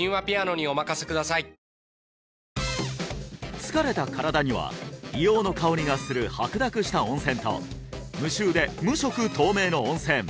疲れた身体には硫黄の香りがする白濁した温泉と無臭で無色透明の温泉